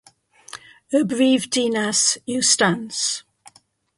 Y brif ddinas yw Stans.